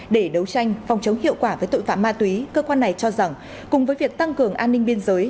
để đấu tranh phòng chống hiệu quả với tội phạm ma túy cơ quan này cho rằng cùng với việc tăng cường an ninh biên giới